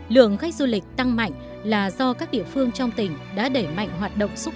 lượng khách du lịch tăng mạnh là do các địa phương trong tỉnh đã đẩy mạnh hoạt động xúc